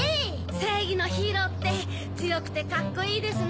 せいぎのヒーローってつよくてカッコいいですね。